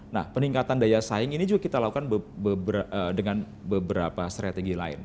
nah peningkatan daya saing ini juga kita lakukan dengan beberapa strategi lain